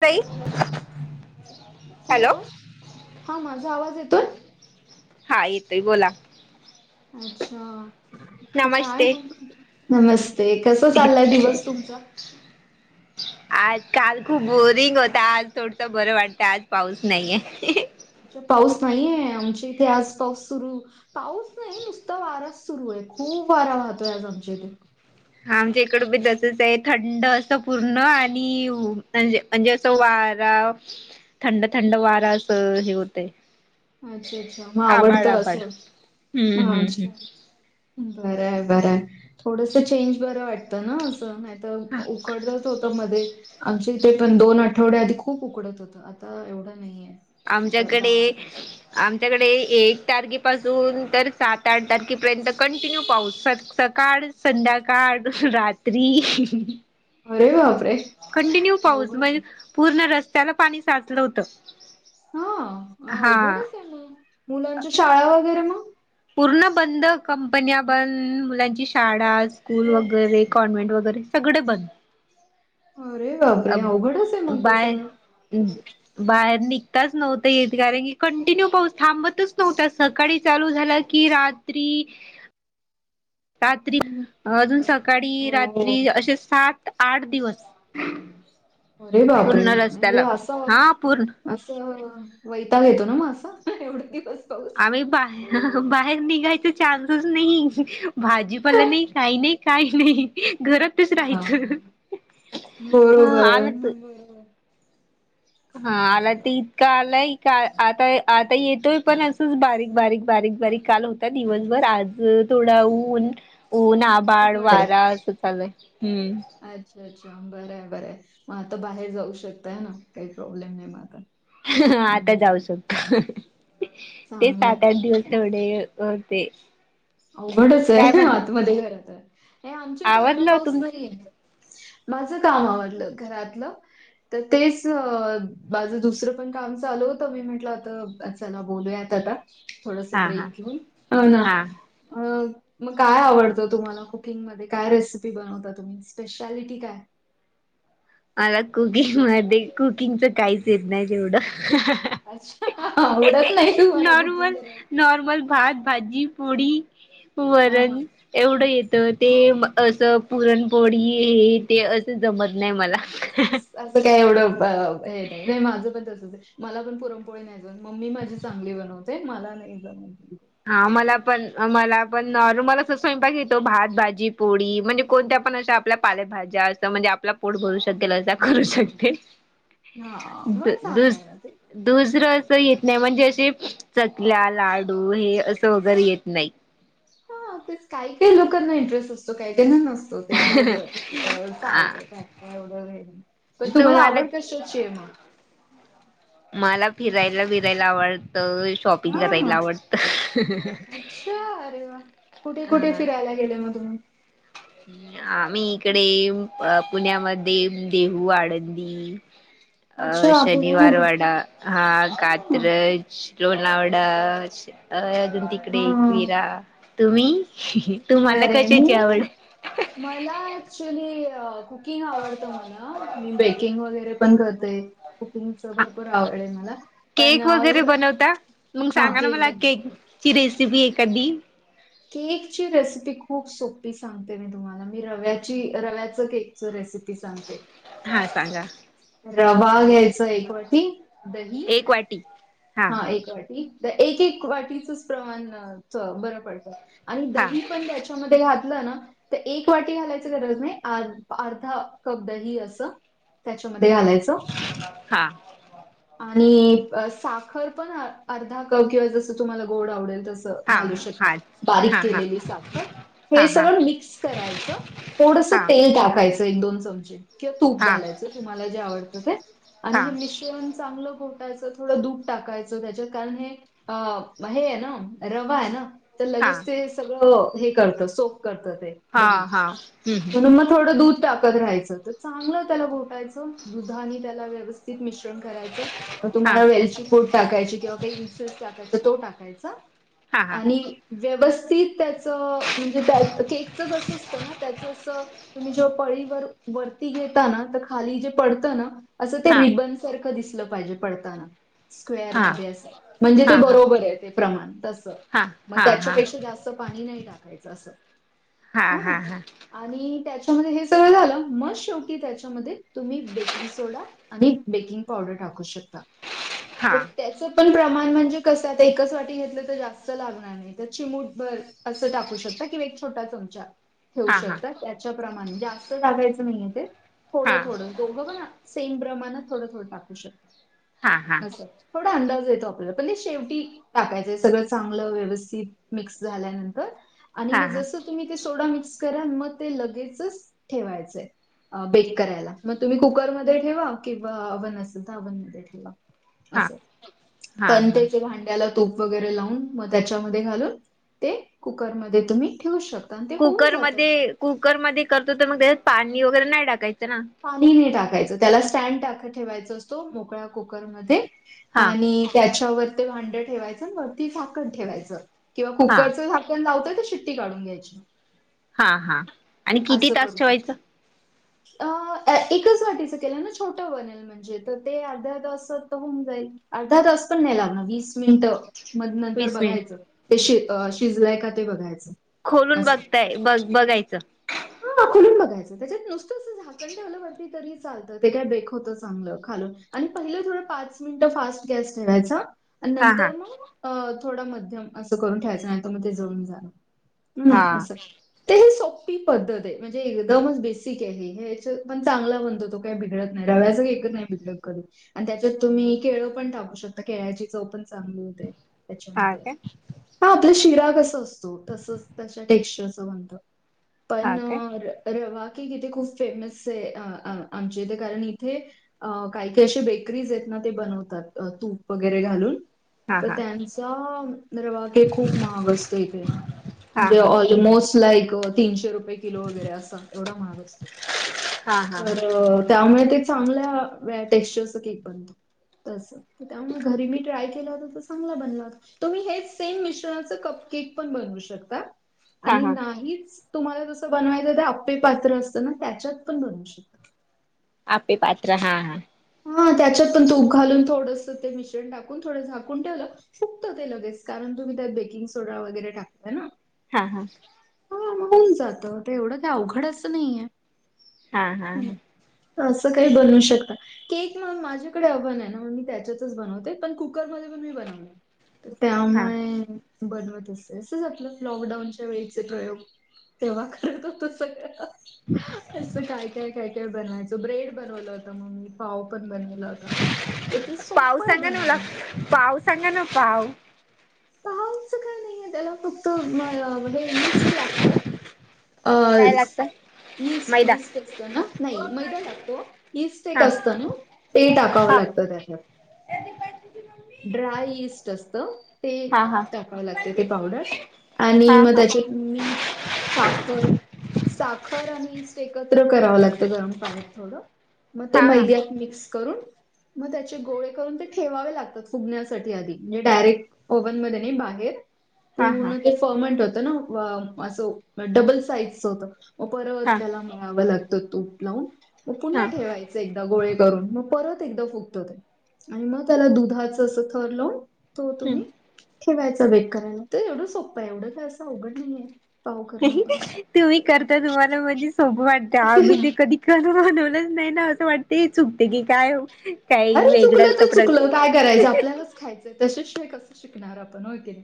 ताई. माझा हॅलो. आवाज हा माझा आवाज येतोय. हा येतोय बोला अच्छा, तर काय नमस्ते मग नमस्ते, कस चाललंय दिवस तुमचा? आज काल खूप बोरिंग होता. आज थोडसं बरं वाटतं आज पाऊस नाहीये. पाऊस नाहीये. आमच्या इथे आज पाऊस सुरू पाऊस नाही. नुसता वाराच सुरू आहे. खूप वारा वाहतोय आज आमच्या इकड. हा आमच्या इकड बी तसच आहे. थंड असं पूर्ण आणि म्हणजे म्हणजे असं वारा थंड थंड वारा असं हे होत. अच्छा अच्छा मग आवडतं असं हा अच्छा. बरं आहे. बरं आहे. थोडस चेंज बर वाटतं ना. असं नाहीतर, उकडत होत मध्ये, आमचे इथे पण दोन आठवड्या आधी खूप उकडत होत. आता एवढं नाहीये. आता आमच्याकडे गार आहे. आमच्याकडे एक तारखेपासून तर सात आठ तारखेपर्यंत कंटिन्यू पाऊस सक सक सकाळ संध्याकाळ दुस रात्री अरे बापरे कंटिन्यू पाऊस अवघड आहे म्हण पूर्ण रस्त्याला पाणी साचलं होतं. हा हा अवघडच आहे मग, मुलांच्या शाळा वगैरे मग. पूर्ण बंद. कंपन्या बंद. मुलांची शाळा स्कूल मग वगैरे, कॉन्व्हेंट वगैरे सगळे बंद. अरे बापरे अवघडच आहे मग तर सगळं. हम. बाहेर निघताच नव्हत येत. कारण की कंटिन्यू पाऊस थांबतच नव्हता. सकाळी चालू झाला की कि रात्री रात्री अजून सकाळी हो रात्री असे सात आठ दिवस अरे बापरे पूर्ण हे रस्त्याला असं हा पूर्ण असं वैताग येतो ना. मग असं एवढे दिवस पाऊस. आम्ही बा बाहेर निघायच चान्सच नाही. भाजीपाला नाही काही नाही. काही नाही घरातच हा राहायचं. आ बरोबर बरोबर हा आला अरे ते बाप इतकं आलंय. का आता आता येतोय पण असंच बारीक बारीक बारीक बारीक काल होता दिवसभर आज थोडा ऊन ऊन आभाड उघड आहे वारा असं चालय हम्म. अच्छा अच्छा बरं आहे बरंय मग आता बाहेर जाऊ शकताय ना काही प्रॉब्लेम नाही मग आता जाऊ हम्म शकतो. ते चांगलंय सात आठ दिवस तेवढे भरते. अवघडच आहे. आत मध्ये खरतर हे आमच्या इथे एवढा आवरलं पाऊस तुमचं नाही आहे. माझं काम आवरलं घरातलं तर तेच माझं दुसरं पण काम चालू होतं. मी म्हटलं आता चला बोलूयात आता, थोडस हा हा ब्रेक घेऊन हो ना. हा अ मग काय आवडतं तुम्हाला कुकिंगमध्ये काय रेसिपी बनवता तुम्ही स्पेशालिटी काय? मला कुकिंग मध्ये कुकिंगच काहीच येत नाही तेवढं अच्छा हा हा आवडत नाही तुम्हाला कुकिंग नॉर्मल करायला? नॉर्मल भात भाजी पोळी हां, हां, वरण एवढं येत ते असं पुरण पोळीई ते असं जमत नाही मला हां. असंच असं काय एवढं नाही नाही माझं पण तसंच आहे मला पण पुरमपोळी नाही मम्मी माझी चांगली बनवते मला नाही जमत हा मला पण मला पण मला अस रुमाला येतो भात भाजी पोळी म्हणजे कोणत्या पण अशा आपल्या पालेभाज्या असं म्हणजे आपला पोट भरू शकेल असा करू शकते पा हा मग चांगलं आहे ना ते दुसरं असं येत नाही म्हणजे असे चकल्या लाडू हे असं वगैरे येत नाही ते काही काही लोकांना इंटरेस्ट असतो काही काही ना नसतो ते तर आ चालत का एवढं नाही पण तुम्हाला आवडत शेचो मग मला फिरायला विरायला आवडत शॉपिंग करायला आवडत हि हि शो अ रे वा कुठे कुठे फिरायला गेले म तुमी आम्ही इकडे पुण्यामध्ये देहू आळंदी नाही अ शनिवार वाडा हा हां, कात्रज लोणावळाच अ अजून तिकडे हां. एकवीरा तुम्ही तुम्हाला अरे कशाची मी आवड मला ऍक्च्युली कुकिंग आवडत मला मी बेकिंग वगैरे पण करते कुकिंगच भरपूर आवड आहे मला पण केक वगैरे एवढं बनवता हा केक ची रेसिपी एखादी केकची रेसिपी खूप सोपी सांगते मी तुम्हाला मी रव्याची रव्याच केक सो रेसिपीस सागंते हां सांगा रवा घ्यायच एक वाटी दही एक वाटी हा एक वाटी एक एक वाटीचच प्रमाणच बर पडत आणि हा दही पण त्याच घातलं ना तर एक वाटी घालायच गरज नाही अर्धा कप दही अस ह्याचेमधी घालायचं हा आणि साखर पण अर्धा कप किंवा जसं तुम्हाला गोड आवडेल तस हा घालू शकतात हा बारीक हा केलेली साखर हे हा हा सगळं मिक्स करायचं थोडस हा तेल टाकायचं ऐक दोन चमचे किंवा तूप हा घालायच, तुम्हाला जे आवडतं ते. आणी हा हे मिश्र पण चांगलं गोटायचं, थोडं दूप टाकायचं त्याच्यात, कारण हेऽ अ हे आहे ना, रवा आहे ना. तर हा लगेच ते सगळं हे करत, सोक करत ते हा दही, हा हम्म म्हणून मगऽ थोडं दूध टाकत राहायचं, तर चांगलं त्याला घोटायच‌. दुधाने त्याला व्यवस्थित मिश्रण करायच, म हा तुम्हाला वेलची ऽ पुड टाकायची, किंवा काही इनसेस टाकायचा दुवुन टाकायचा, हा हा आणिऽ पुड व्यवस्थित त्याच, म्हणजे त्या केकच कस असतं ना, त्याच तुम्ही पळीभर वरती घेता ना, तर खाली जे पडत ना, आस ते हा रिबनऽजो सारखं दिसलं पाहिजे पडताना, स्क्वेअर हा हा मधे अस, म्हणजे ते हा हा बरोबर आहेत. ते प्रमाण तस हा हा म हा हा त्याच्यापेक्षा जास्त पाणी नाय टाकायचं अस हा. आणि त्याच्यामध्ये हे सगळं झालं म शेवटी त्याच्यामध्ये तुम्ही बेकिंग सोडा आणि बेकिंग पावडर टाकू शकता. तर त्या चे पण प्रमाण म्हणजे कस आता एकच वाटी घेतलं तर जास्त लागणार. तर चिमूट भर असं टाकू शकता किंवा एक छोटा चमचा. ठेवु हा हा हा शकतात त्याच्याप्रमाणे जास्त टाकायचं नाहीये ते थोड हा दोघं पण सेम प्रमाणात थोडं थोडं टाकू शकता आसं. थोडा अंदाज येतो आपल्याला पण ते शेवटी टाकायच सगळं चांगलं व्यवस्थित मिक्स झाल्यानंतर. हा आणि म हा जस तुम्ही ते सोडा मिक्स करा मग ते लगेच ठेवायचंय बेक करायला. म तुम्ही कुकरमध्ये ठेवा किंवा अव्हन असेल तर अव्हन मध्ये ठेवा. असं हा पण हा त्याचे भांड्याला तूप वगैरे लावून मग त्याच्यामध्ये घालून ते कुकरमध्ये तुम्ही ठेवू शक ता ते होऊन जातं. कुकरमध्ये कुकरमध्ये करतोय तर मग त्याच्यात पाणी वगैरे नाय टाकायचं ना? पाणी नाय टाकायचं त्याला स्टँड टाका ठेवायच असतो मोकळ्या कुकरमध्ये. हा आणि त्याच्यावर ते भांड ठेवायचं वरती झाकण ठेवायचं किंवा हा कुकरचं झाक कन लावतोय तर शिट्टी काढून घ्यायची. हा हा आणि किती असं तास करू शकतो. ठेवायचं? अ एकच वाटीच केलं ना छोटं बनेल. म्हणजे तर ते अर्ध्या तासात होऊन जाईल अर्धा तास पण नाय लागणार वीस मिनिटं. म नंतर वीस मिनिट बघायचं ते शि -शिजलंय का ते बघायचं. खोलून बघताय बघ- बघायचं? हा खोलून बघायचं त्याच्यात नुसतं असं झाकण वरती ठेवलंती तरी चा चालत ते काय बेक होत चांगलं खालून आणि पहिलं थोडं पाच मिनट फास्ट गॅस ठेवायचा. आणि हा हा नंतर म अ थोडा मध्यम असं करून ठेवायचं नायतर म ते जळून जात. ना हा असं. ते ह सोप्पी पद्धत ए म्हणजे एकदमच बेसिक आय हे ह्यांच्यात पण चांगला बणतो तो काय बिघडत नाय. रव्याचा केक क नाय करून आणि त्याच्यात तुम्ही केळ पण टाकू शकता केळ्याची चव पण चांगले होते हा त्याच्यामध्ये काय हा आपलं शिरा कस अस तसच तशा टेक्स्चरच बनत. हा पण काय रवा केक इथे खूप फेमस ए आ आ आमच्या इथे कारण इथे अ काय काय अशी बेकरीज एत ना ते बनवतात तूप वगैरे घालून. हा तर हा त्यांचा रवा केक खूप महाग असतो इथे. हा म्हणजे हा ऑलमोस्ट लाईक तीनशे रुपये किलो वगैरे असा एवढा महाग असतो. हा हा तर त्यामुळे चांगल्या व्यास्टेक्चरच केक बनतो तस त्यामुळे घरी मी ट्राय केला होत तसं चांगला बनला. तुम्ही हे सेम मिश्रणाच कप केक पण बनवू शकता. हा आणि हा नाहीच तुम्हाला जसं बनवायचं तर अप्पे पात्र असतं ना त्याच्यात पण बनवू शक आप्पे पाात्र हा हा. हा त्याच्यात पण तूप घालून थोडंस ते मिश्रण टा कुण थोडं झाकून ठेवलं फूक्त ते लगेच कारण तुम्ही त्यात बेकिंग सोडा वगैरे टाकताय ना. हा हा. हा म होऊन जात ते एवढं काय अवघड असं नाहीये. हा हा हा. असं काही बनवू शकता. केक ना माझ्याकडे ओव्हन आहे ना, म मी त्याच्यातच बनवते. पण कुकर मध्ये प- [unintelligible] हा त्यामुळे. बनवत असते. असंच आपलं लॉकडाऊनच्या वेळीचे प्रयोग. तेव्हा करत होतो सगळं. अस काय काय काय काय बनवायचे. ब्रेड- बनवला होता मग मी. पाव पण बनवला होता. त्याचे पाव सोप्प आहे सांगा ना मला बनवायला. पाव सांगा ना, पाव. पावच काय नाहीय. त्याला फक्त हे ईस्ट लागत. काय लागतं? ईस्ट मैदा ईस्ट असत ना? नाही मैदा लागतो. ईस्ट एक हा असत ना. ते टाकावं हा लागतं त्याच्यात. ड्राय इस्ट असत. ते हा हा टाकाव लागते ते पावडर. हा आणि हा मग हा त्याची- मीठ, साखर. साखर आणि ईस्ट - ते एकत्र करावं लागतं गरम पाण्यात थोडं. मग ते हा मैद्यात मिक्स- करून मग त्याचे गोळे करून ते ठेवावे लागतात फुगण्यासाठी आधी. आणि मग डायरेक्ट- ओव्हन मध्ये नाही. बाहेर हा हा पूर्ण- फर्मेंट होतं ना असं. असं डबल साईज च होत. म परत हा त्याला म - [unintelligible] लागतं तूप लावून. म पुन्हा हा ठेवाय- च एकदा गोळे करून. मग परत एकदा फुगत ते आणि मग त्याला दुधाच अस थर लावून- तो तुम्ही ठेवायचा बेक करायला. तर एवढं सोप्पं आहे. एवढं काय असं अवघड नाहीय. तुम्ही करता तुम्हाला म्हणजे सोप वाटत. आम्ही ते कधी- बनवलंच नाही ना? असं वाटते चुकते की काय हो. काही अरे चुकलं वेगळांच त तर चुकलं प्रकार. काय करायचं आपल्यालाच खायचंय त्याच्याशिवाय कस शिकणार आपण? होय की नाही?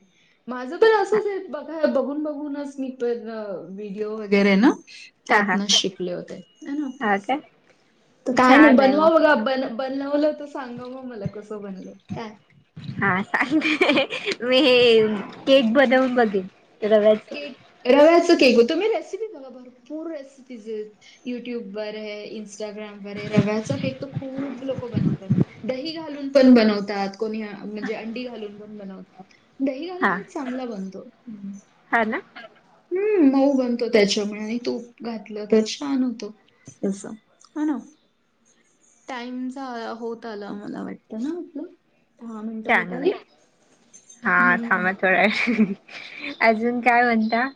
पण हा असंच आहे बघा बघून बघूनच मी तर व्हिडिओ वगैरे ना- हा हा त्यातन शिकले होते. आहे ना हा असं. काय ते काय नाही छान आहे बनवा मग बघा बन- बनवलं तर सांगा म मला कसं बनलं काय? हा. सांगते मी हे केक बनवून बघेन. रव्या- केक रव्याचा केक होतो. तुम्ही रेसिपी बघा भरपूर रेसिपीज युट्यूब वर आहे. इंस्टाग्राम वर ए. रव्याचा केक त खूप लोक बनवतात. दही घालून पण बनवतात. कोणी म्हणजे अंडी घालून पण बनवतात. दही हा घालूनच चांगला बनतो. हं. हा ना? हम्म. मऊ बनतो त्याच्यामुळे आणि तूप घातलं तर छान होतो. तेच तर. हो ना. टाइम झाला. होत आला मला वाटतं ना आपला? दहा मिनटं होत चांगलंय आले? हम्म. व्हय. अजून काय म्हणता?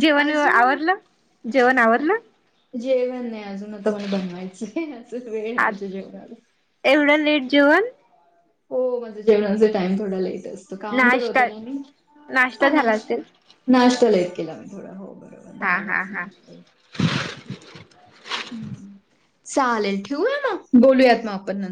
जेवण अजून आवरलं? जेवण आवरलं? जेवण नाही अजून. आता मला बनवायचंय. अजून वेळ ए माझ्या जेवणाला. एवढ्या लेट जेवण? हो. माझ्या जेवणाचा टाइम थोडा लेट असतो. काम करत होती नाश्ता ना मी. नाश्ता झाला अनाश- असेल नाश्ता लेट केला मी थोडा. हो बरोबर. हा दहाला हा हा [unintelligible] हं. चालेल ठेवूया म? बोलूयात मग आपण नंतर.